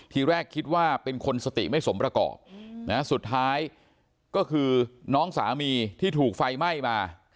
ทีแรกคิดว่าเป็นคนสติไม่สมประกอบนะสุดท้ายก็คือน้องสามีที่ถูกไฟไหม้มา